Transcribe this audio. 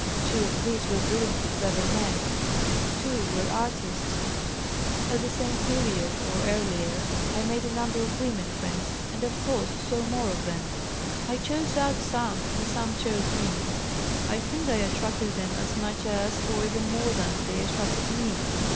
Two of these were brilliantly clever men; two were artists. "At the same period, or earlier, I made a number of women friends, and of course saw more of them. I chose out some and some chose me; I think I attracted them as much as, or even more than, they attracted me.